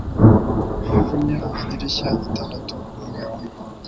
Yavunnye amadirishya atandatu umwe umwe.